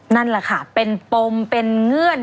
นั่นแหละค่ะเป็นปมเป็นเงื่อน